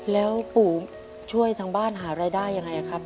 แล้วปู่ช่วยทางบ้านหารายได้ยังไงครับ